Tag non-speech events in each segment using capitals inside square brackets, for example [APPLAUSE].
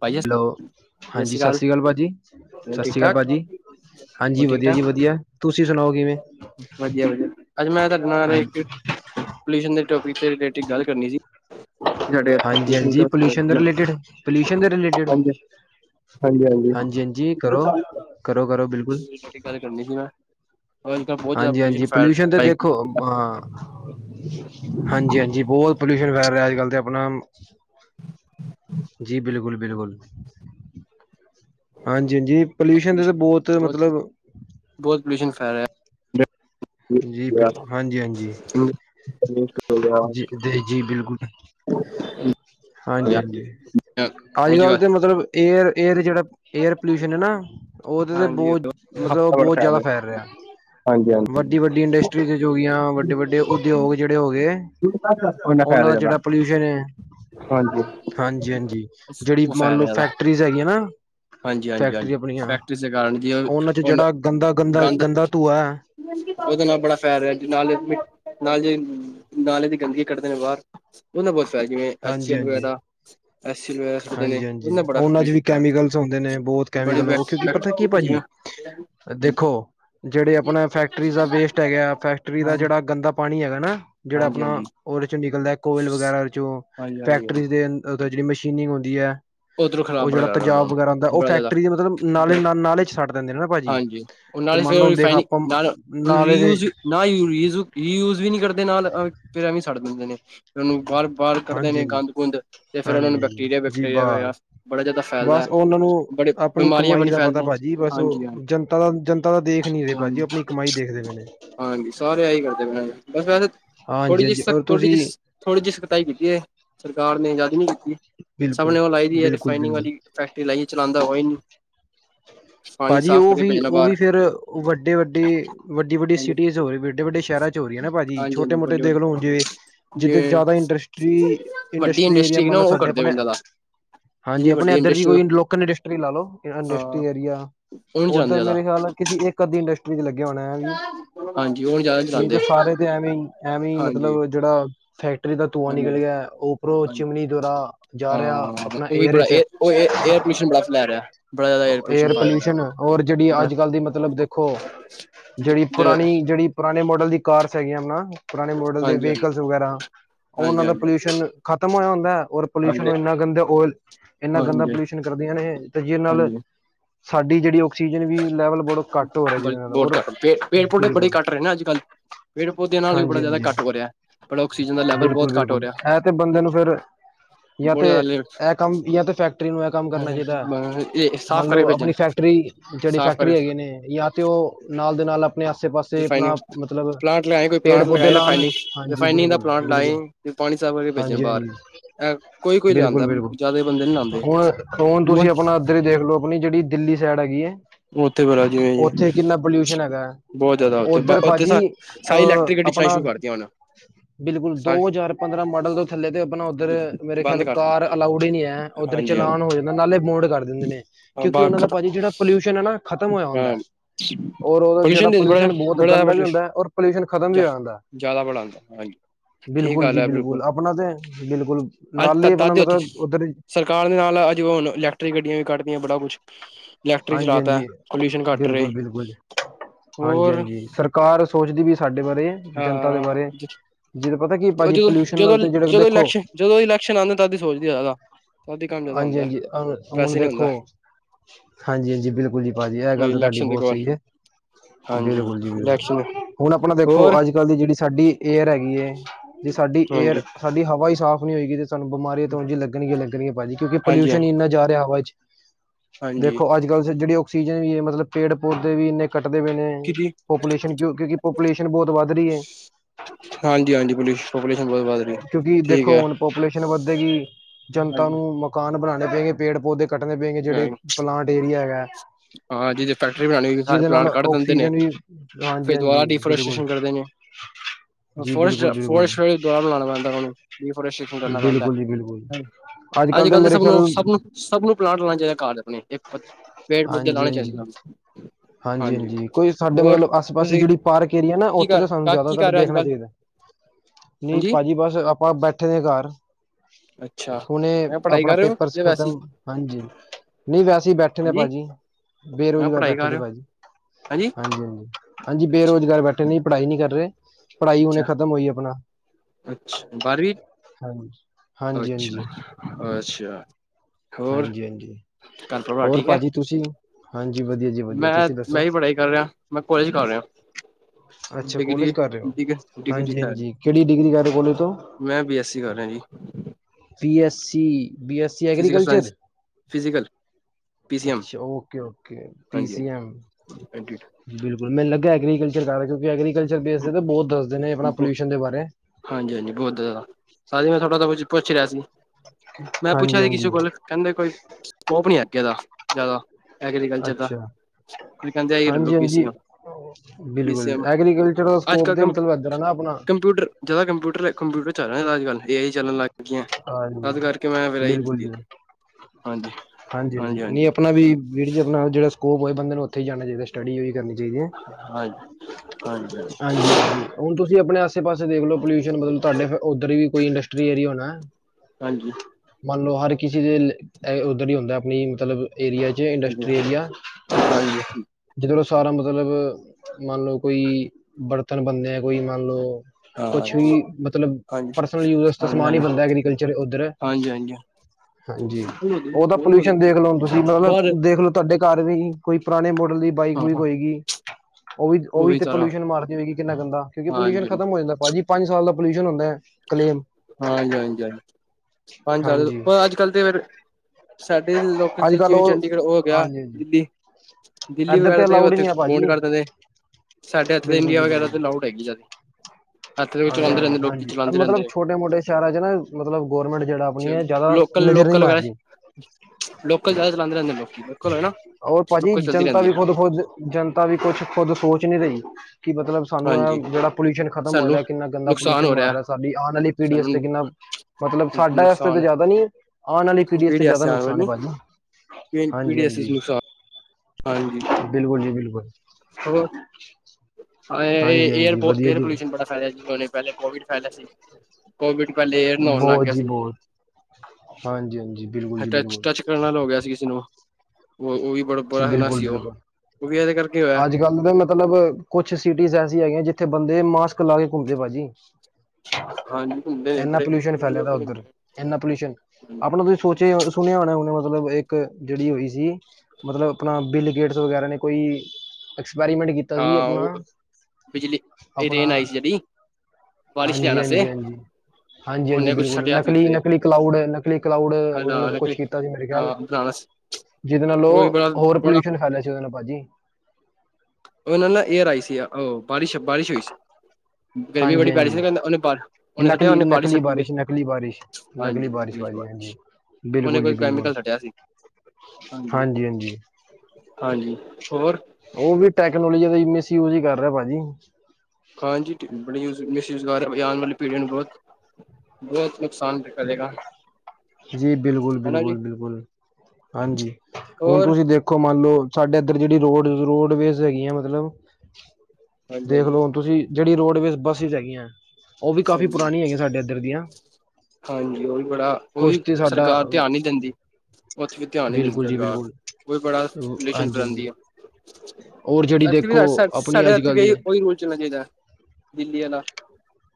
ਭਾਜੀ ਹੈਲੋ ਹਾਂਜੀ। ਸਤਿ ਸ੍ਰੀ ਅਕਾਲ ਭਾਜੀ, ਹੋਰ ਸਤਿ ਠੀਕ ਸ਼੍ਰੀ ਅਕਾਲ ਠਾਕ ਭਾਜੀ। ਹਾਂਜੀ ਹੋਰ ਠੀਕ ਵਧੀਆ ਜੀ। ਠਾਕ ਵਧੀਆ, ਤੁਸੀਂ ਸੁਣਾਓ ਕਿਵੇਂ। ਵਧੀਆ ਵਧੀਆ ਅੱਜ ਮੈਂ ਤੁਹਾਡੇ ਨਾਲ ਇੱਕ ਪੋਲਿਊਸ਼ਨ ਦੇ ਟੋਪਿਕ ਦੇ ਰਿਲੇਟਿਡ ਗੱਲ ਕਰਨੀ ਸੀ। ਸਾਡੇ ਹਾਂਜੀ -ਹਾਂਜੀ ਪੋਲਿਊਸ਼ਨ ਦੇ ਰਿਲੇਟਿਡ ਪੋਲਿਊਸ਼ਨ ਦੇ ਰਿਲੇਟਿਡ ਹਾਂਜੀ ਹਾਂਜੀ- ਹਾਂਜੀ ਕਰੋ- ਕਰੋ -ਕਰੋ ਬਿਲਕੁਲ ਹਾਂਜੀ ਗੱਲ ਕਰਨੀ ਸੀ ਮੈਂ ਅੱਜ ਕੱਲ ਬਹੁਤ ਜ਼ਿਆਦਾ ਹਾਂਜੀ- ਹਾਂਜੀ ਫੈਲ ਪੋਲਿਊਸ਼ਨ ਤੇ ਰਿਹਾ ਦੇਖੋ ਅ [INAUDIBLE] ਜੀ ਬਹੁਤ ਪੋਲਿਊਸ਼ਨ ਫੈਲ ਰਿਹਾ ਅੱਜ ਕੱਲ੍ਹ ਤੇ ਆਪਣਾ ਜੀ ਬਿਲਕੁਲ- ਬਿਲਕੁਲ ਹਾਂਜੀ- ਹਾਂਜੀ ਪੋਲਿਊਸ਼ਨ ਦੇ ਤੇ ਬਹੁਤ ਮਤਲਬ ਬਹੁਤ ਪੋਲਊਸ਼ਨ ਫੈਲ ਰਿਹਾ ਏ। ਜੀ ਬਿਲ ਹਾਂਜੀ- ਹਾਂਜੀ ਜੀ। ਜੀ ਬਿਲਕੁਲ ਹਾਂਜੀ- ਹਾਂਜੀ ਅੱਜ ਹਾਂਜੀ ਹਾਂਜੀ ਕੱਲ ਤੇ ਮਤਲਬ ਏਅਰ- ਏਅਰ ਜਿਹੜਾ ਏਅਰ ਪੋਲਿਊਸ਼ਨ ਏ ਨਾ। ਉਹਦੇ ਤੇ ਹਾਂਜੀ ਬਹੁਤ ਮਤਲਬ ਬਹੁਤ ਜਿਆਦਾ ਫੈਲ ਰਿਹਾ। ਵੱਡੀ -ਵੱਡੀ ਇੰਡਸਟਰੀਜ ਹੋਗੀਆਂ ਵੱਡੇ ਵੱਡੇ ਉਦਯੋਗ ਜਿਹੜੇ ਹੋ ਗਏ। ਉਹਨਾਂ ਉਹਨਾਂ ਫਾਇਦਾ ਦਾ ਜ਼ਿਆਦਾ ਜਿਹੜਾ ਪੋਲਿਊਸ਼ਨ ਏ। ਹਾਂਜੀ ਹਾਂਜੀ -ਹਾਂਜੀ ਜਿਹੜੀ ਉਹ ਮੰਨ ਫੈਲ ਲਓ ਰਿਹਾ ਫੈਕਟਰੀਜ਼ ਹੈਗੀਆਂ ਨਾ। ਹਾਂਜੀ ਹਾਂਜੀ ਫੈਕਟਰੀ ਹਾਂਜੀ ਆਪਣੀਆਂ ਫੈਕਟਰੀ ਦੇ ਕਾਰਨ ਜੀ ਉਹਨਾਂ 'ਚ ਉਹ ਜਿਹੜਾ ਗੰਦਾ- ਗੰਦਾ- ਗੰਦ ਗੰਦਾ ਧੂੰਆ ਹੈ। ਉਹਦੇ ਨਾਲ ਬੜਾ ਫੈਲ ਰਿਹਾ ਜੀ ਨਾਲੇ ਨਾਲ ਜੇ ਨਾਲੇ ਦੀ ਗੰਦਗੀ ਕੱਢਦੇ ਨੇ ਬਾਹਰ ਉਹ ਦੇ ਨਾਲ ਬਹੁਤ ਫੈਲ ਜਿਵੇਂ ਐ ਸੀ ਹਾਂਜੀ ਐਲ ਹਾਂਜੀ ਵਗੈਰਾ ਐਸਲ ਹਾਂਜੀ -ਹਾਂਜੀ ਉਹਨਾਂ 'ਚ ਵੀ ਕੈਮੀਕਲਸ ਹੁੰਦੇ ਨੇ ਬਹੁਤ ਬੜੇ ਕੈਮੀਕਲ ਓ ਕਿਉਂਕ ਪਤਾ ਕੀ ਭਾਜੀ ਜਿਵੇਂ [INAUDIBLE] ਦੇਖੋ ਜਿਹੜੇ ਆਪਣਾ ਫੈਕਟਰੀ ਦਾ ਵੇਸਟ ਹੈਗਾ ਫੈਕਟਰੀ ਹਾਂ ਦਾ ਜਿਹੜਾ ਗੰਦਾ ਪਾਣੀ ਹੈਗਾ ਨਾ ਜਿਹੜਾ ਹਾਂਜੀ ਆਪਣਾ ਹਾਂਜੀ ਉਹਦੇ 'ਚੋਂ ਨਿਕਲਦਾ ਹੈ ਘੋਲ ਵਗੈਰਾ ਵਿਚੋ ਹਾਂਜੀ ਹਾਂਜੀ ਹਾਂਜੀ ਫੈਕਟਰੀ ਦੇ ਜਿਹੜੀ ਮਸ਼ੀਨਿੰਗ ਹੁੰਦੀ ਏ। ਉਧਰੋਂ ਖ਼ਰਾਬ ਉਹ ਬੜਾ ਜਿਹੜਾ ਕਰ ਰਿਹਾ ਉਹਨਾਂ ਤੇਜਾਬ ਵਗੈਰਾ ਹੁੰਦਾ ਨੂੰ ਉਹ ਬੜਾ ਜ਼ਿਆਦਾ ਫੈਕਟਰੀ ਦੇ ਮਤਲਬ ਨਾਲੇ- ਬੜਾ ਨਾਲੇ 'ਚ ਛੱਟ ਦਿੰਦੇ ਏ ਨਾ ਭਾਜੀ ਹਾਂਜੀ ਉਹ ਤੇ ਨਾਲੇ ਮੰਨ ਫਿਰ ਲਓ ਦੇਖ ਰਿਫਾਈਨਿੰਗ ਆਪਾਂ ਨਾਲ ਨਾਲੇ ਦੇ ਰਿਯੂਜ ਵੀ ਨੀ ਕਰਦੇ ਨਾਲ ਫਿਰ ਐਵੇਂ ਸਾਟ ਦਿੰਦੇ ਨੇ ਉਹਨੂੰ ਬਾਹਰ ਬਾਹਰ ਕੱਢਦੇ ਹਾਂਜੀ ਨੇ ਹਾਂਜੀ ਗੰਦ ਗੁੰਦ ਤੇ ਫਿਰ ਉਹਨ ਹਾਂਜੀ ਹਾਂਜੀ ਬੈਕਟੀਰੀਆ ਜੀ ਬੈਕਟੀਰੀਆ ਬਾਹਰ ਬੜਾ ਜ਼ਿਆਦਾ ਫੈਲਦਾ ਏ ਬਸ ਉਹਨਾਂ ਨੂੰ ਬੜ ਆਪਣੀ ਬਿਮਾਰੀਆਂ ਬੜੀਆਂ ਫੈਲਦੀਆਂ ਹਾਂਜੀ। ਤਾ ਦਾ ਜਨਤਾ ਦਾ ਦੇਖ ਨੀ ਰਹੇ ਭਾਜੀ ਹਾਂਜੀ ਉਹ ਆਪਣੀ ਕਮਾਈ ਦੇਖਦੇ ਪਏ ਨੇ। ਹਾਂਜੀ ਸਾਰੇ ਇਹੀ ਕਰਦੇ ਪਏ ਬਸ ਵੈਸੇ ਥੋੜੀ ਹਾਂਜੀ ਜਿਹੀ ਹਾਂਜੀ ਸਖ ਔਰ ਥੋੜੀ ਜੀ ਤੁਸੀਂ ਸ ਥੋੜ੍ਹੀ ਜੀ ਸਖ਼ਤਾਈ ਕੀਤੀ ਏ ਸਰਕਾਰ ਨੇ ਜ਼ਿਆਦੀ ਨੀ ਕੀਤੀ। ਸਭ ਬਿਲਕੁਲ ਨੇ ਉਹ ਲਾਈ ਬਿਲਕੁਲ ਰਿਫਾਈਨਿੰਗ ਬਿਲਕੁਲ ਵਾਲੀ ਫੈਕਟਰੀ ਲਾਈ ਚਲਾਂਦਾ ਕੋਈ ਨੀ। ਪਾਣੀ ਭਾਜੀ ਸਾਫ਼ ਉਹ ਕਰਕੇ ਵੀ, ਭੇਜਣਾ ਉਹ ਬਾਹਰ ਵੀ ਫਿਰ ਵੱਡੇ-ਵੱਡੇ, ਵੱਡੀ-ਵੱਡੀ ਹਾਂਜੀ ਸਿਟੀਜ਼ ਹੋਵੇ ਵੱਡੇ-ਵੱਡੇ ਸ਼ਹਿਰਾਂ ਚੋਰੀ ਐ ਨਾ ਭਾਜੀ ਹਾਂਜੀ ਹਾਂਜੀ ਛੋਟੇ-ਮੋਟੇ ਵੱਡੇ ਦੇਖ ਵੱਡੇ ਲੋ ਜੇ ਜਿੱਥੇ ਜੇ ਜ਼ਿਆਦਾ ਇੰਡਰਸਟਰੀ ਵੱਡੀ ਇੰਡਸਟਰੀ ਏਰੀਆ ਨਾ ਮੰਨ ਲੋ ਉਹ ਸਾਡੇ ਕਰਦੇ ਪਏ ਆਪਣੇ ਜ਼ਿਆਦਾ ਹਾਂਜੀ ਜਿਹਦੀ ਆਪਣੇ ਵੱਡੀ ਇੱਧਰ ਦੀ ਇੰਡਸਟਰੀ ਕੋਈ ਲੋਕਲ ਇੰਡਸਟਰੀ ਲਾ ਲੋ ਹਾਂ ਇੰਡਸਟੀ ਏਰੀਆ। ਉਹਨੂੰ ਚਲਾਉਂਦੇ ਉਧਰ ਜ਼ਿਆਦਾ ਮੇਰੇ ਖ਼ਿਆਲ ਕਿਸੀ ਇੱਕ-ਅੱਧੀ ਇੰਡਸਟਰੀ ਚ ਲੱਗਿਆ ਹੋਣਾ ਐਵੀ। ਹਾਂਜੀ ਹੁਣ' [UNINTELLIGIBLE] ਨਹੀਂ ਤਾਂ ਸਾਰੇ ਤੇ ਐਵੇਂ ਈ ਐਵੇਂ ਮਤਲਬ ਜਿਹੜਾ ਫੈਕਟਰੀ ਦਾ ਧੂੰਆ ਹਾਂਜੀ ਨਿਕਲ ਹਾਂਜੀ ਗਿਆ। ਉਪਰੋਂ ਚਿਮਨੀ ਦੁਰਾ ਜਾ ਰਿਹਾ ਹਾਂ ਆਪਣਾ ਉਹ ਵੀ ਏਅਰ ਬੜਾ ਵਿਚ ਉਹ ਏਅਰ ਪੋਲਿਊਸ਼ਨ ਬੜਾ ਫੈਲਾ ਰਿਹਾ ਬੜਾ ਜ਼ਿਆਦਾ ਪੋਲਿਊਸ਼ਨ ਏਅਰ ਫੈਲ ਰਿਹਾ ਪੋਲਊਸ਼ਨ ਔਰ ਜਿਹੜੀ ਬੜਾ ਅੱਜ ਕੱਲ੍ਹ ਦੀ ਮਤਲਬ ਦੇਖੋ ਜਿਹੜੀ ਹਾਂਜੀ ਪੁਰਾਣੀ ਜਿਹੜੀ ਪੁਰਾਣੇ ਮੋਡਲ ਦੀ ਕਾਰਸ ਹੈਗੀਆਂ ਏ ਨਾ ਪੁਰਾਣੇ ਮੋਡਲ ਦੇ ਹਾਂਜੀ ਵਹੀਕਲਸ ਵਗੈਰਾ ਉਹਨਾਂ ਹਾਂਜੀ ਦਾ ਪੋਲਿਊਸ਼ਨ ਖ਼ਤਮ ਹੋਇਆ ਹੁੰਦਾ ਐ ਔਰ ਪੋਲਿਊਸ਼ਨ ਹਾਂਜੀ ਨੂੰ ਇੰਨਾ ਗੰਦੇ ਓਲ ਇੰਨਾਂ ਗੰਦਾ ਹਾਂਜੀ ਪੋਲਿਊਸ਼ਨ ਕਰਦੀਆਂ ਨੇ, ਤੇ ਜਿੰਨ ਨਾਲ ਹਾਂਜੀ ਸਾਡੀ ਜਿਹੜੀ ਆਕਸੀਜਨ ਵੀ ਲੈਵਲ ' [UNINTELLIGIBLE] ਜਿਹਦੇ [UNINTELLIGIBLE] ਨਾਲ ਬਹੁਤ ਔਰ ਕੱਟ ਪੇ ਪੇੜ ਪੌਦੇੇ ਬੜੇ ਬਿਲਕੁਲ ਕੱਟ ਰਹੇ ਨੇ ਅੱਜ ਕੱਲ੍ਹ ਪੇਡ ਪੌਦਿਆਂ ਨਾਲ ਵੀ ਬੜਾ ਹਾਂਜੀ ਜ਼ਿਆਦਾ ਹਾਂਜੀ ਘੱਟ ਹੋ ਰਿਹਾ। ਪਰ ਆਕਸੀਜ਼ਨ ਦਾ ਲੈਵਲ ਬਿਲਕੁਲ ਬਹੁਤ ਘੱਟ ਹੋ ਬਿਲਕੁਲ ਰਿਹਾ ਇਹ ਤੇ ਬੰਦੇ ਨੂੰ ਫਿਰ ਜਾਂ ਤੇ ਇਹ [UNINTELLIGIBLE] ਕੰਮ ਯਾ ਤੇ ਫੈਕਟਰੀ ਨੂੰ ਐ ਕੰਮ ਕਰਨਾ ਚਾਹੀਦਾ ਇਹ ਸਾਫ਼ ਮੰਨ ਕਰਕੇ ਲੋ ਭੇਜਣ ਆਪਣੀ ਫੈਕਟਰੀ ਜਿਹੜੇ ਸਾਫ਼ ਕਰ ਫੈਕਟਰੀ ਹੈਗੇ ਨੇ ਯਾ ਤੇ ਔ ਨਾਲ ਦੇ ਨਾਲ ਆਪਣੇ ਆਸੇ-ਪਾਸੇ ਰਿਫਾਨਿੰਗ ਪਲਾਂਟ ਲਗਾਏ ਕੋਈ ਪਲਾਂਟ ਪੌਦੇ ਲਗਾਏ ਲਾਉਣ ਰਿਫਾਨਿੰਗ, ਹਾਂਜੀ ਰਿਫਾਨਿੰਗ ਦਾ ਬਿਲਕੁਲ ਪਲਾਂਟ ਲਾਏ ਬਿਲਕੁਲ ਤੇ ਪਾਣੀ ਸਾਫ਼ ਕਰਕੇ ਭੇਜਣ ਬਾਰ। ਬਿਲਕੁਲ-ਬਿਲਕੁਲ ਬੰਦੇ ਨੀ ਲਾਂਦੇ ਹੁਣ-ਹੁਣ ਤੁਸੀਂ ਆਪਣਾ ਇੱਧਰ ਹੀ ਦੇਖ ਲੋ ਆਪਣੀ ਜਿਹੜੀ ਦਿੱਲੀ ਸਾਈਡ ਹੈਗੀ ਐ, ਉੱਥੇ ਬੜਾ ਜਿਵੇਂ ਉੱਥੇ ਕਿੰਨਾ ਪੋਲਿਊਸ਼ਨ ਹੈਗਾ। ਬਹੁਤ ਜ਼ਿਆਦਾ ਉੱਥੇ ਉਧਰ ਉੱਥੇ ਭਾਜੀ ਅ ਸਾਰੀ ਇਲੈਕਟ੍ਰਿਕ ਗੱਡੀ ਚਲਾਣੀ ਆਪਣਾ ਸ਼ੁਰੂ ਕਰਤੀ ਹੁਣ ਬਿਲਕੁਲ ਦੋ ਹਜ਼ਾਰ ਪੰਦਰਾਂ ਮਾਡਲ ਤੋਂ ਥੱਲੇ ਤੇ ਆਪਣਾ ਉੱਧਰ ਸਾਰੇ ਮੇਰੇ ਬੰਦ ਖ਼ਿਆਲ ਕਰ ਕਾਰ ਅਲਾਊਡ ਹੀ ਨੀ ਹੈ। ਉੱਧਰ ਹਾਂਜੀ ਹਾਂਜੀ ਚਲਾਨ ਹੋ ਜਾਂਦਾ ਨਾਲੇ ਮੋਡ ਕਰ ਦਿੰਦੇ ਨੇ ਕਿਉਂਕਿ ਬਾ ਉਨ੍ਹਾਂ ਦਾ ਖਤ ਭਾਜੀ ਜਿਹੜਾ ਪੋਲਿਊਸ਼ਨ ਹੈ ਨਾ ਖ਼ਤਮ ਹੋਇਆ ਹੁੰਦਾ ਔਰ ਉਹਦੇ ਚ ਜਿਹੜਾ ਦੇ ਬੜਾ ਪੋਲਿਊਸ਼ਨ ਬਹੁਤ ਬੜਾ ਗੰਦਾ ਵੀ ਹੁੰਦਾ ਔਰ ਪੋਲਿਊਸ਼ਨ ਖ਼ਤਮ ਵੀ ਹੋਇਆ ਹੁੰਦਾ। ਜਾਦਾ [UNINTELLIGIBLE] ਬਿਲਕੁਲ ਜੀ ਬਿਲਕੁਲ ਆਪਣਾ ਤੇ ਬਿਲਕੁਲ ਅੱਜ ਤ ਨਾਲੇ ਆਪਣਾ ਤਦ ਉੱਥੇ ਮਤਲਬ ਉੱਧਰ ਸਰਕਾਰ ਨੇ ਨਾਲ ਅੱਜ ਹੁਣ ਇਲੈਕਟ੍ਰਿਕ ਗੱਡੀਆਂ ਵੀ ਕੱਢ ਤੀਆਂ ਬੜਾ ਕੁੱਛ ਇਲੈਕਟ੍ਰਿਕ ਚ ' ਹਾਂਜੀ [UNINTELLIGIBLE] ' ਹਾਂਜੀ ਪੋਲਿਊਸ਼ਨ ਘੱਟ ਰਹੇ ਬਿਲਕੁਲ ਬਿਲਕੁਲ ਹੋਰ ਕਾਰ ਸੋਚਦੀ ਵੀ ਸਾਡੇ ਬਾਰੇ, ਜਨਤਾ ਦੇ ਹਾਂ ਬਾਰੇ। ਜੀ ਪਤਾ ਕੀ ਭਾਜੀ ਜਦੋਂ ਪੋਲਿਊਸ਼ਨ ਨਾਲ ਜਦੋਂ ਤੇ ਜਿਹੜਾ ਜਦੋਂ ਦੇਖੋ ਇਲੈਕਸ਼ਨ ਜਦੋਂ ਇਲੈਕਸ਼ਨ ਆਉਂਦਾ ਤਦ ਹੀ ਸੋਚਦੀ ਜ਼ਿਆਦਾ ਤਦ ਹੀ ਕੰਮ ਜ਼ਿਆਦਾ ਹੁੰਦਾ ਹਾਂਜੀ-ਹਾਂਜੀ ਅ ਹੁਣ ਵੈਸੇ ਨਹੀਂ ਦੇਖੋ ਹੁੰਦਾ ਹਾਂਜੀ-ਹਾਂਜੀ ਬਿਲਕੁਲ ਜੀ ਭਾਜੀ ਐ ਗੱਲ ਤਾਂ ਤਾਡੀ ਇਲੈਕਸ਼ਨ ਦੇ ਬਹੁਤ ਕੋਲ ਸਹੀ ਏ। ਹਾਂਜੀ ਬਿਲਕੁਲ ਜੀ ਇਲੈਕਸ਼ਨ ਬਿਲਕੁਲ ਹੁਣ ਆਪਣਾ ਦੇਖੋ ਹੋਰ ਅੱਜ ਕੱਲ ਦੀ ਜਿਹੜੀ ਸਾਡੀ ਏਅਰ ਹੈਗੀ ਏ, ਜੇ ਸਾਡੀ ਏਅਰ ਹਾਂਜੀ ਸਾਡੀ ਹਵਾ ਹੀ ਸਾਫ਼ ਨਹੀਂ ਹੋਏਗੀ ਤੇ ਸਾਨੂੰ ਬਿਮਾਰੀਆਂ ਤੋਂ ਉਂਝ ਲੱਗਣੀਆਂ-ਲੱਗਣੀਆ ਭਾਜੀ ਕਿਉਂਕ ਹਾਂਜੀ ਪੋਲਿਊਸ਼ਨ ਇੰਨਾ ਜਾ ਰਿਹਾ ਹਵਾ ਚ। ਹਾਂਜੀ ਦੇਖੋ ਅੱਜ ਕੱਲ ਜੇ ਜਿਹੜੀ ਆਕਸੀਜ਼ਨ ਵੀ ਹੈ ਮਤਲਬ ਪੇਂਡ ਪੌਂਦੇ ਵੀ ਇੰਨੇ ਕੱਟਦੇ ਪਏ ਨੇ ਹਾਂਜੀ ਪੌਪੁਲੇਸ਼ਨ ਕਿਉ ਕਿਉਂਕਿ ਪੌਪੂਲੇਸ਼ਨ ਬਹੁਤ ਵੱਧ ਰਹੀ ਏ। ਹਾਂਜੀ ਹਾਂਜੀ ਪੋਲਿਊਸ਼ਨ ਬਹੁਤ ਵੱਧ ਰਹੀ ਕਿਉਂਕਿ ਠੀਕ ਦੇਖੋਂ ਹੈ ਹੁਣ ਪੌਪੂਲੇਸ਼ਨ ਵੱਧੇਗੀ ਜਨਤਾਂ ਹਾਂਜੀ ਨੂੰ ਕਾਨ ਬਣਾਣੇ ਪਏਗੇ ਪੇੜ ਪੌਦੇ ਕੱਟਣੇ ਪਏਗੇ ਜਿਹੜੇ ਪਲਾਂਟ ਏਰੀਆ ਹੈਗਾ। ' [INAUDIBLE] ਹਾਂ ਜੀ ਫੈਕਟਰੀ ਬਣਾਣੀ ਹੋਏਗੀ ਸਾਰੇ ਜਿਹਦੇ ਨਾਲ ਪਲਾਂਟ ਕੱਟ ਦਿੰਦੇ ਨੇ, ਆਕਸੀਜਨ ਵੀ ਹਾਂਜੀ ਫਿਰ ਹਾਂਜੀ ਦੁਬਾਰਾ ਬਿਲਕੁਲ ਡਿਫੋਰਸਟ੍ਰੇਸ਼ਨ ਕਰਦੇ ਨੇ। ਜੀ ਬਿਲਕੁਲ ਬਿਲਕੁਲ [UNINTELLIGIBLE] ਦੁਆਰਾ ਬਣਾਣਾ ਪੈਂਦਾ ਉਹਨਾਂ ਨੂੰ। ਡਿਫੋਰਸਟ੍ਰੇਸ਼ਨ ਕਰਨਾ ਪੈਂਦਾ। ਬਿਲਕੁਲ ਜੀ ਬਿਲਕੁਲ ਅੱਜ ਤਾਂ ਕੱਲ੍ਹ ਤੇ ਮੇਰੇ ਸਭ ਨੂੰ, ਖਿਆਲ ਸਭ ਨੂੰ, ਸਭ ਨੂੰ ਪਲਾਂਟ ਲਾਉਣਾ ਚਾਹੀਦਾ ਘੜ ਆਪਨੇ ਇੱਕ ਪੇੜ ਪੌਦੇ ਚਾਹੀਦੇ ਸਾਨੂੰ। ਹਾਂਜੀ-ਹਾਂਜੀ ਕੋਈ ਸਾਡੇ ਮਤਲਬ ਆਸੇ-ਪਾਸੇ ਜਿਹੜੀ ਪਾਰਕ ਏਰੀਆ ਨਾ ਕੀ ਉੱਥੇ ਕਰ ਤੇ ਸਾਨੂੰ ਕੀ ਜ਼ਿਆਦਾਤਰ ਕਰ ਰਹੇ ਹੋ ਅੱਜ ਦੇਖਣਾ ਕੱਲ ਚਾਹੀਦਾ। ਨਹੀਂ ਹਾਂਜੀ ਭਾਜੀ ਬਸ ਆਪਾਂ ਬੈਠੇ ਦੇ ਘਰ। ਅੱਛਾ ਹੁਣੇ ਮੈਂ ਪੜ੍ਹਾਈ ਆਪਣਾ ਕਰ ਰਹੇ ਹੋ ਪੇਪਰਸ ਜਾਂ ਵੈਸੇ ਖਤਮ ਹਾਂਜੀ। ਨਈ ਵੈਸੇ ਈ ਬੈਠੇ ਨੇ ਹਾਂਜੀ ਪਾਜੀ, ਮੈਂ ਬੇਰੋਜਗਾਰ ਬੈ ਪੜ੍ਹਾਈ ਠੇ ਕਰ ਦੇ ਰਹੇ ਹੋ ਭਾਜੀ, ਹਾਂਜੀ ਹਾਂਜੀ-ਹਾਂਜੀ, ਹਾਂਜੀ ਅੱਛਾ ਬੇਰੋਜ਼ਗਾਰ ਬੈਠੇ ਨੇ, ਪੜ੍ਹਾਈ ਨੀ ਕਰ ਰਏ। ਪੜ੍ਹਾਈ ਹੁਣੇ ਖ਼ਤਮ ਹੋਈ ਅਪਣਾ। ਅੱਛ ਬਾਰਵੀ, ਹਾਂਜੀ ਹਾਂਜੀ ਹਾਂਜੀ ਅੱਛਾ-ਅੱਛਾ। ਹਾਂਜੀ-ਹਾਂਜੀ ਪਰਿਵਾਰ ਹੋਰ ਠੀਕ ਹੈ ਭਾਜੀ ਤੁਸੀਂ, ਹਾਂਜੀ ਵਧੀਆ ਜੀ ਵਧੀਆ। ਮੈਂ, ਤੁਸੀਂ ਮੈਂ ਦੱਸੋ ਹੀ ਪੜ੍ਹਾਈ ਕਰ ਰਿਹਾ ਮੈਂ ਕੋਲੇਜ ਕਰ ਰਿਹਾ। ਅੱਛਾ ਡਿਗਰੀ ਕੋਲੇਜ ਕਰ ਰਹੇ ਹੋ, ਡਿਗ ਡਿਗਰੀ ਲੈਣੀ ਹਾਂਜੀ-ਹਾਂਜੀ ਕਿਹੜੀ ਡਿਗਰੀ ਕਰ ਰਹੇ ਕੋਲੇਜ ਤੋਂ। ਮੈਂ ਬੀ ਐੱਸ ਸੀ ਕਰ ਰਿਹਾ ਜੀ। B S C B S C physical science agriculture physical. ਅੱਛਾ ਓਕੇ, ਓਕੇ ਪੀ ਹਾਂਜੀ ਸੀ ਐਮ। ਹਾਂਜੀ ਬਿਲਕੁਲ ਮੈਨੂੰ ਲੱਗਾ ਐਗਰੀਕਲਚਰ ਕਰ ਕਿਉਂਕ ਐਗਰੀਕਲਚਰ ਬੇਸ ਹਾਂਜੀ ਤੇ ਬਹੁਤ ਦੱਸਦੇ ਨੇ ਆਪਣਾ ਪੋਲਿਊਸ਼ਨ ਦੇ ਬਾਰੇ। ਹਾਂਜੀ-ਹਾਂਜੀ ਬਹੁਤ ਜਾਦਾ ਹਜੀ ਮੈਂ ਤੁਹਾਡਾ ਤਾਂ ਕੁਝ ਪੁੱਛ ਰਿਹਾ ਸੀ ਮੈਂ ਪੁੱਛਿਆ ਹਾਂਜੀ ਸੀ ਕਿਸੇ ਹਾਂਜੀ। ਕੋਲ ਕਹਿੰਦੇ ਕੋਈ ਸਕੋਪ ਨੀ ਹੈ ਅੱਗੇ ਦਾ ਜਾਦਾ। ਐਗਰੀਕਲਚਰ ਦਾ, ਅੱਛਾ ਤੁਸੀਂ ਕੈਂਦੇ ਏਈਓ ਲਲੋ ਹਾਂਜੀ ਹਾਂਜੀ ਪੀਸੀਆਂ। ਬਿਲਕੁਲ, ਐਗਰੀਕਲਚਰ ਦਾ ਸਕੋਪ ਤੇ, ਮਤਲਬ ਏਦਰ ਏ ਨਾ ਅਪਣਾ। ਜਾਦਾ ਕੰਪਿਊਟਰ ਏ, ਕੰਪਿਊਟਰ ਚੱਲ ਰੇਆ ਨਾ ਅੱਜ ਕੱਲ। ਏਇਈ ਚੱਲਣ ਲੱਗ ਗਈਆਂ, ਤਦ ਕਰਕੇ ਮੈਂ ਫੇਰ ਏਹੀ ਲਿਤੀ ਏ। ਹਾਂਜੀ-ਹਾਂਜੀ, ਨਈ ਹਾਂਜੀ ਅਪਣਾ ਵੀ, ਵੀਰ ਜੀ ਅਪਣਾ ਜੇਅੜਾ ਸਕੋਪ ਹੋਏ, ਬੰਦੇ ਨੂੰ ਉੱਥੇ ਈ ਜਾਣਾ ਚਾਹੀਦਾ, ਸਟੱਡੀ ਔਹੀ ਕਰਨੀ ਚਾਹੀਦੀ ਏ। ਹਾਂਜੀ ਹਾਂਜੀ ਹਾਂਜੀ ਹਾਂਜੀ-ਹਾਂਜੀ, ਹੁਣ ਤੁਸੀਂ ਆਪਣੇ ਆਸੇ ਪਾਸੇ ਦੇਖ ਲੋ, ਪੋਲਿਊਸ਼ਨ ਮਤਲਬ, ਤੁਆਡੇ ਉੱਧਰ ਵੀ ਕੋਈ ਇੰਡਸਟਰੀ ਏਰੀਆ ਹੋਣਾ ਏ? ਹਾਂਜੀ। ਮੰਨ ਲੋ ਹਰ ਕਿਸੇ ਦੇ, ਏ ਔਦਰ ਈ ਹੁੰਦਾ ਆਪਣੀ ਮਤਲਬ ਏਰੀਆ ਜੇ ਇੰਡਸਟਰੀ ਹਾਂਜੀ ਏਰੀਆ ਹਾਂਜੀ ਜਿਦਰੋ ਸਾਰਾ ਮਤਲਬ, ਮੰਨ ਲੋ ਕੋਈ ਬਰਤਨ ਬਨਣੇ ਐ ਕੋਈ ਮੰਨ ਲੋ। ਕੁਛ ਵੀ ਹਾਂਜੀ ਮਤਲਬ, ਪਰਸਨਲੀ ਯੂ ਐਸ ਚ ਹਾਂਜੀ ਸਮਾਨ ਈ ਹਾਂਜੀ ਬਣਦਾ ਐਗਰੀਕਲਚਲ ਉਦਰ। ਹਾਂਜੀ ਹਾਂਜੀ ਹਾਂਜੀ, ਬੋਲੋ ਦੇ ਉਹਦਾ ਬੋਲੋ ਦੇ ਪੋਲਿਊਸ਼ਨ ਦੇਖ ਲੋ ਹੁਣ ਤੁਸੀਂ ਬਾਹਰ ਮਤਲਬ। ਦੇਖ ਲੋ ਤੁਆਡੇ ਕਾਰ ਵੀ ਹੀ, ਕੋਈ ਪੁਰਾਣੇ ਮੋਡਲ ਦੀ ਬਾਈਕ ਹਾਂ ਬੁਈਕ ਹਾਂ ਹੋਏਗੀ? ਔਹ ਵੀ, ਉਹ ਔਹ ਈ ਤੇ ਸਾਰਾ ਪੋਲਿਊਸ਼ਨ ਮਾਰਦੀ ਹੋਏਗੀ ਕਿੰਨਾ ਗੰਦਾ? ਕਿਉਂਕਿ ਪੋਲਿਊਸ਼ਨ ਹਾਂਜੀ ਖਤਮ ਹੋ ਜਾਂਦਾ ਭਾਜੀ। ਪੰਜ ਸਾਲ ਦਾ ਪੋਲਿਊਸ਼ਨ ਹੁੰਦਾ ਏ, ਕਲੇਮ। ਹਾਂਜੀ-ਹਾਂਜੀ ਹਾਂ ਪੰਜ ਸਾਲ, ਹਾਂਜੀ ਪਰ ਅੱਜ ਕੱਲ ਤੇ ਫਿਰ ਸਾਡੇ ਲੋਕਾਂ ਅੱਜ ਚ ਕੱਲ ਜਿਵੇਂ ਉਹ ਚੰਡੀਗੜ੍ਹ ਔ ਗਿਆ, ਹਾਂਜੀ ਹਾਂਜੀ ਦਿੱਲੀ। ਦਿੱਲੀ ਇੱਧਰ ਵਗੈਰਾ ਤੇ ਅਲਾਊਡ ਹੀ ਔਥੇ ਨਹੀਂ ਆ ਬੋਡ ਭਾਜੀ ਕਰਦੇ ਨੇ, ਸਾਡੇ ਏਥੇ ਤੇ ਬਿਲਕੁਲ ਇੰਡੀਆ ਜੀ ਵਗੈਰਾ ਬਿਲਕੁਲ ਲਾਉਡ ਪੈਗੀ ਯਾਰੀ, ਐਥੇ ਤੇ ਫਿਰ ਹਾਂਜੀ ਚਲਾਂਦੇ ਰੇਂਦੇ ਹਾਂਜੀ ਲੋਕੀ। ਹਾਂਜੀ ਚਲਾਉਂਦੇ ਮਤਲਬ ਰਹਿੰਦੇ ਛੋਟੇ ਮੋਟੇ ਸ਼ੇਰਾਂ ਚ ਨਾ, ਮਤਲਬ ਗੌਰਮੈਂਟ ਜੇਅੜਾ ਅਪਣੀ ਨੇ ਏ, ਜਾਦਾ ਲੋਕਲ ਨਜ਼ਰ ਨਈ ਲੋਕਲ ਮਾਰ ਵਗੈਰਾ ਰਈ। ਲੋਕਲ ਜਆਦਾ ਚਲਾਂਦੇ ਰੇਂਦੇ ਨੇ ਲੋਕ। ਔਰ ਭਾਜੀ, ਜਨਤਾ ਵੀ ਖੁਦ-ਖੁਦ। ਜਨਤਾ ਵੀ ਕੁਛ, ਖੁਦ ਸੋਚ ਨਈ ਰਈ, ਕਿ ਮਤਲਬ ਸਾਨੂੰ ਹਾਂਜੀ ਏਹ ਜੇਹੜਾ ਪੋਲਿਊਸ਼ਨ ਖਤਮ ਹੋ ਸਾਨੂੰ ਦਾ ਏ, ਕਿੰਨਾ ਗੰਦਾ ਨੁਕਸਾਨ ਪੋਲਿਊਸ਼ਨ ਹੋ ਮਾਰ ਰਿਹਾ ਰਿਆ, ਸਾਡੀ ਆਣ ਵਾਲੀ ਪੀੜ੍ਹੀ ਸਾਨੂੰ ਆਸਤੇ ਕਿੰਨਾ ਮਤਲਬ ਸਾਡਾ ਆਸਤੇ ਤੇ ਨੁਕਸਾਨ ਜਾਦਾ ਨੀ, ਆਣ ਆਲੀ ਪੀੜ੍ਹੀ ਆਸਤੇ ਜਾਦਾ ਨੁਕਸਾਨ ਹੈ ਪਾਜੀ। ਪੇਨ ਪੀ ਡੀ [UNINTELLIGIBLE] ਹਾਂਜੀ। ਬਿਲਕੁਲ ਜੀ ਬਿਲਕੁਲ। ਹੋਰ? ਐ ਏਹ ਹਾਂਜੀ ਏਅਰ ਹਾਂਜੀ ਬੋ, ਵਧੀਆ ਏਅਰ ਜੀ ਪੋਲਿਊਸ਼ਨ ਬੜਾ ਫੇਲੇਆ, ਥੋੜੇ ਦਿਨ ਪੇਲੇ। ਕੋਵਿਡ ਫੈਲੇਆ ਸੀ। ਕੋਵਿਡ ਪੈਲੇ ਏਅਰ ਨੂੰ ਹੋਣ ਲਗ ਬਹੁਤ ਗਿਆ ਜੀ ਸੀ। ਬਹੁਤ ਹਾਂਜੀ ਹਾਂਜੀ ਬਿਲਕੁਲ ਜੀ ਬਿਲਕੁਲ ਟੱਚ-ਟੱਚ ਨਾਲ ਹੋ ਗਿਆ ਸੀ ਕਿਸੀ ਨੂੰ, ਉਹ-ਉਹ ਵੀ ਬੜਾ ਜੀ ਬਰਾਣਾ ਬਿਲਕੁਲ ਸੀ ਉਹ, ਬਿਲਕੁਲ ਕਿਉਂਕਿ ਏਹਦੇ ਕਰ ਅੱਜ ਕੱਲ ਤੇ ਮਤਲਬ, ਕੁਛ ਸਿਟੀਜ਼ ਐਸੀ ਹੈਗੀਆਂ, ਜਿੱਥੇ ਬੰਦੇ ਮਾਸਕ ਲਾ ਕੇ ਘੁੰਮਦੇ ਭਾਜੀ। ਹਾਂਜੀ ਘੁੰਮਦੇ ਨੇ ਏਨਾ ਬੜੇ ਪੋਲਿਊਸ਼ਨ ਫੈਲਿਆ ਲੋਕ ਦਾ ਉੱਧਰ, ਘੁੰਮਦੇ ਏਨਾ ਪੋਲਿਊਸ਼ਨ, ਨੇ। ਆਪਣਾ ਤੁਸੀਂ ਸੋਚੇਆ, ਸੁਣਿਆ ਹੋਣਾ ਹੁਣੇ ਮਤਲਬ ਏਕ, ਜੇਹੜੀ ਹੋਈ ਸੀ। ਮਤਲਬ ਅਪਣਾ ਬਿੱਲ ਗੇਟਸ ਵਗੈਰਾ ਨੇ ਕੋਈ, ਐਕਸਪੈਰੀਮੈਂਟ ਕੀ ਤੁਸੀ ਹਾਂ ਉਹ ਬਿਜਲੀ ਇਹ ਆਪਣਾ-ਆਪਣਾ। ਰੇਨ ਆਈ ਸੀ ਜਿਹੜੀ ਬਾਰਿਸ਼ ਲਿਆਣ ਵਾਸਤੇ ਹਾਂਜੀ-ਹਾਂਜੀ-ਹਾਂਜੀ। ਹਾਂਜੀ-ਹਾਂਜੀ ਉਹਨੇ ਕੁਛ ਬਿਲਕੁਲ, ਸਟਿਆ ਸੀ ਉੱਤੇ ਨਕਲੀ-ਨਕਲੀ ਕਲਾਊਡ- ਨਕਲੀ ਕਲਾਊਡ ਮਤਲਬ ਕੁਛ ਕੀਤਾ ਸੀ ਮੇਰੇ ਖਿਆਲ ਲਾਲਚ ਜਿਅਦੇ ਨਾਲ ਔਹ, ਹੋਰ ਪੋਲਿਊਸ਼ਨ ਫੈਲਿਆ ਸੀ ਉਹਦੇ ਨਾਲ ਭਾਜੀ। ਉਹਨੇ ਨਾਲ ਨਾ ਏਅਰ ਆਈ ਸੀ ਔਹ, ਬਾਰਿਸ਼-ਬਾਰਿਸ਼ ਹੋਈ ਸੀ। ਗਰਮੀ ਹਾਂਜੀ ਬੜੀ ਪੈ ਰੀ ਸੀ ਨਾ, ਹਾਂਜੀ ਕੇਂਦਾ ਉਹਨੇ ਬਾ ਉਹਨੇ ਸੱਟਿਆ, ਨਕਲੀ ਉਹਨੇ ਬਾਰ ਈ ਨਕਲੀ ਸੱਟੀ ਫੇਰ। ਬਾਰਿਸ਼ ਨਕਲੀ ਬਾਰਿਸ਼ ਨਕਲੀ ਹਾਂਜੀ ਬਾਰਿਸ਼ ਅਖਲੇਸ਼ ਭਾਜੀ ਹਾਂਜੀ ਵਸ਼, ਉਹਨੇ ਕੋਈ ਕੈਮੀਕਲ ਸਟੇਆ ਸੀ। ਹਾਂਜੀ ਹਾਂਜੀ-ਹਾਂਜੀ। ਹਾਂਜੀ, ਹੋਰ? ਉਹ ਵੀ ਟੈਕਨੋਲੋਜੀ ਦਾ ਮਿਸਯੂਜ ਈ ਕਰ ਰਿਆ ਪਾਜੀ। ਹਾਂਜੀ ਬੜੀ ਯੁਸ, ਮਿਸਯੂ ਕਰ ਰੇਆ, ਅੱਗੇ ਆਣ ਵਾਲੀ ਪੀੜੀ ਨੂੰ ਬੋਤ ਬੋਤ ਨੁਕਸਾਨ ਕਲੇਗਾ। ਜੀ, ਬਿਲਕੁਲ-ਬਿਲਕੁਲ-ਬਿਲਕੁਲ, ਹਾਂਜੀ, ਹੁਣ ਹੋਰ ਤੁਸੀਂ ਦੇ ਇਕੋ ਮੰਨ ਲੋ ਸਾਡੇ ਇੱਧਰ ਜਿਹੜੀ ਰੋਡ-ਰੋਡਵੇਜ਼ ਹੈਗੀ ਆ ਮਤਲਬ ਹਾਂਜੀ ਦੇਖ ਹਾਂਜੀ ਲੋ ਹੁਣ ਤੁਸੀਂ ਜਿਹੜੀ ਰੋਡਵੇਜ਼ ਬੱਸਿਸ ਹੈਗੀਆਂ। ਉਹ ਵੀ ਕਾਫੀ ਹਾਂਜੀ ਪੁਰਾਣੀਆਂ ਹੈਗੀਆਂ ਸਾਡੇ ਇੱਧਰ ਦੀਆਂ। ਹਾਂਜੀ, ਉਹ ਵੀ ਬੜਾ ਉਹ ਕੁਛ ਵੀ ਤੇ ਸਾਡਾ ਸਰਕਾਰ ਧਿਆਨ ਨੀ ਦਿੰਦੀ। ਉੱਥੇ ਵੀ ਧਿਆਨ ਨੀ ਦਿੰਦੀ ਬਿਲਕੁਲ ਜੀ ਸਰਕਾਰ ਬਿਲਕੁਲ ਉਹ ਵੀ ਬੜਾ ਰਿਲੇਸ਼ਨ ਹਾਂਜੀ ਹਾਂਜੀ ਪੈਂਦੀ ਹੈ। ਔਰ ਜਿਹੜੀ ਇੱਥੇ ਵੀ ਦੇਖੋ ਹਰ ਸਾਲ ਆਪਣੀ ਸਾਢੇ ਅੱਜ ਇਥੇ ਕੱਲ੍ਹ ਵੀ ਦੀ ਉਹੀ ਰੂਲ ਚੱਲਣਾ ਚਾਹੀਦਾ। ਦਿੱਲੀ ਅਲਾ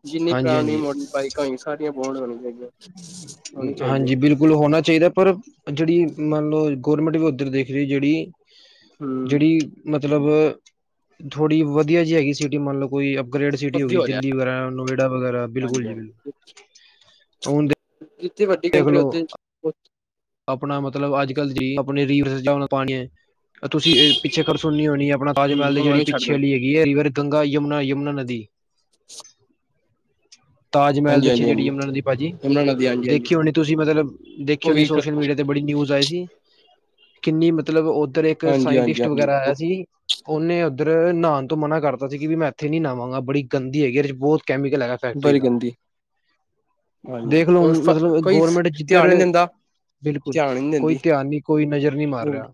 ਜਿੰਨੀ ਹਾਂਜੀ ਪ੍ਰਾਣੀ ਹਾਂਜੀ ਮੋਡਲ ਬਾਈਕ ਕਈ ਸਾਰੀਆਂ ਬੋਰਡ ਹੋਣੀਆਂ ਚਾਹੀਦੀਆਂ ਹੋਣੀ ਚਾਹੀਦੀਆਂ। ਗੁਲ ਹੋਣਾ ਚਾਹੀਦਾ, ਪਰ ਜਿਹੜੀ ਮੰਨ ਲਓ ਗੌਰਮੈਂਟ ਵੀ ਉੱਧਰ ਦੇਖ ਰਹੀ ਜਿਹੜੀ ਹਮ ਜਿਹੜੀ ਮਤਲਬ ਥੋੜ੍ਹੀ ਵਧੀਆ ਜਿਹੀ ਹੈਗੀ ਸਿਟੀ ਮੰਨ ਲਓ ਕੋਈ ਗਰੇਡ ਸਿਟੀ ਹੋ ਅੱਧੀ ਗਈ ਰਿਹਾ ਦਿੱਲੀ ਵਗੈਰਾ, ਨੋਇਡਾ ਵਗੈਰਾ ਬਿਲਕੁਲ ਹਾਂਜੀ ਜੀ-ਬਿਲਕੁਲ ਹਾਂਜੀ ਹੁਨ ਜਿੱਥੇ ਵੱਡੀ ਕੰਟਰੀ ਉੱਥੇ ਆਪਣਾ ਮਤਲਬ ਅੱਜ-ਕੱਲ ਜੀ ਆਪਣੇ ਰੀਵਰਜਾ ਪਾਕੇ। ਤੁਸੀਂ ਪਿੱਛੇ ਗਲ ਸੁਣਨੀ ਹੋਣੀ ਆਪਣਾ ਤਜਹਿਲ ਉਹ ਜਿਹੜੀ ਵੀ ਛੱਡ ਪਿੱਛੇ ਦੇਣ ਵਾਲੀ ਹੈ। ਇਹ ਈਵਨ ਗੰਗਾ, ਯਮਨਾ-ਯਮਨਾ ਨਦੀ ਤਾਜ ਮਹਿਲ ਦੇ ਹਾਂਜੀ ਪਿੱਛੇ ਹਾਂਜੀ ਜਿਹੜੀ ਜਮੁਨਾ ਹਾਂਜੀ ਨਦੀ ਭਾਜੀ ਯਮੁਨਾ ਨਦੀ ਹਾਂਜੀ ਹਾਂਜੀ ਦੇਖੀ ਹੋਣੀ ਤੁਸੀਂ ਮਤਲਬ ਦੇਖੀ ਉਹ ਹੋਣੀ ਵੀ ਸੋਸ਼ਲ ਮੀਡੀਆ ਤੇ। ਬੜੀ ਨਿਊਜ਼ ਆਈ ਸੀ ਕਿੰਨੀ ਮਤਲਬ ਉੱਧਰ ਇੱਕ ਹਾਂਜੀ ਹਾਂਜੀ ਸਾਇੰਟਿਸਟ ਹਾਂਜੀ ਵਗੈਰਾ ਆਇਆ ਉਹ ਸੀ। ਉਹਨੇ ਉੱਧਰ ਨਹਾਉਣ ਤੋਂ ਮਨਾ ਕਰਤਾ ਸੀ ਕਿ ਵੀ ਮੈਂ ਇੱਥੇ ਨੀ ਨਹਾਵਾਂਗਾ ਬੜੀ ਗਦੀ ਹੈਗੀ, ਇਹਦੇ ਬਹੁਤ ਕੈਮੀਕਲ ਹੈਗਾ। ਫੈਕਟਰੀ ਬੜੀ ਦਾ ਗੰਦੀ ਹਾਂਜੀ, ਦੇਖ ਲਓ ਹੁਣ ਮਤਲਬ ਉਹ ਕੋਈ ਗੌਰਮੈਂਟ ਜਿੱਧਰ ਧਿਆਨ ਨੀ ਦਿੰਦਾ। ਬਿਲਕੁਲ, ਧਿਆਨ ਨਹੀਂ ਕੋਈ ਦਿੰਦੀ ਧਿਆਨ ਨਹੀਂ ਕੋਈ ਨਜ਼ਰ ਨਹੀਂ ਮਾਰ ਰਿਹਾ।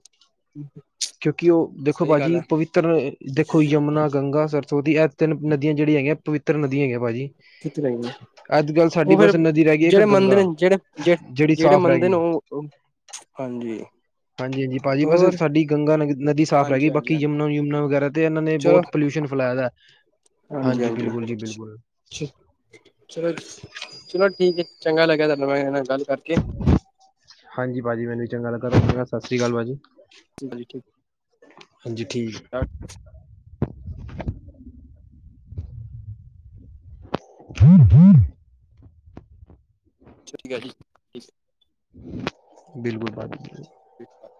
[UNINTELLIGIBLE] ਕਿਉਂਕਿ ਉਹ ਦੇਖੋ ਸਹੀ ਗੱਲ ਭਾਜੀ, ਹੈ ਪਵਿੱਤਰ ਦੇਖੋ ਯਮੁਨਾ, ਗੰਗਾ ਸਰ ਸੋ ਤਾਂ ਇਹ ਤਿੰਨ ਨਦੀਆਂ ਜਿਹੜੀਆਂ ਹੈਗੀਆਂ ਪਵਿੱਤਰ ਨਦੀਆਂ ਹੈਗਿਆਂ ਭਾਅ ਜੀ। ਕਿਥੇ ਲ ਉਹ ਫੇਰ ਨਦੀ ਰਹਿ ਗਈ ਇੱਕ ਜਿਹੜੇ ਗੰਗਾ ਮੰਦਰਿਰ ਨੇ ਜਿਹੜੇੇ ਜਿਹੜੀ ਜਿਹੜੇ ਸਾਫ਼ ਰਹਿ ਮੰਦਰਿਰ ਨੇ ਗਈ ਹੈ। ਉਹ ਹਾਂਜੀ। ਹਾਂਜੀ-ਹਾਂਜੀ, ਭਾਅਜੀ ਬਸ ਹੋਰ ਸਾਡੀ ਗੰਗਾ ਨਦੀ ਸਾਫ਼ ਹੈਗੀ, ਹਾਂਜੀ ਹਾਂਜੀ ਬਾਕੀ ਹਾਂਜੀ ਜਮਨਾ-ਜੁਮਨਾ ਵਗੈਰਾ ਤੇ ਇਹਨਾਂ ਨੇ ਚਲੋ ਬਹੁਤ ਪੋਲਿਊਸ਼ਨ ਫੈਲਾਇਆ ਦਾ ਹਾਂਜੀ, ਬਿਲਕੁਲ ਜੀ ਬਿਲਕੁਲ। ਅੱਛਾ, ਚਲੋ-ਚਲੋ ਠੀਕ ਹੈ ਚੰਗਾ ਲੱਗਿਆ ਤੁਹਾਾਨੂੰ ਮੈਂ ਇਹ ਨਾਲ ਗੱਲ ਕਰਕੇ। ਹਾਂਜੀ, ਭਾਜੀ ਮੈਨੂੰ ਵੀ ਚੰਗਾ ਲੱਗਾ ਤੁ ਸਤਿ ਸ਼੍ਰੀ ਅਕਾਲ ਭਾਜੀ। ਬਿਲਕੁੱਲ। ਹਾਂਜੀ ਠੀਕ। [INAUDIBLE] ਹੂੰ-ਹੂੰ ਠੀਕ ਹੈ ਜੀ। ਬਿਲਕੁਲ [UNINTELLIGIBLE] [INAUDIBLE]